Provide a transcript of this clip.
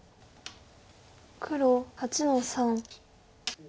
黒８の三。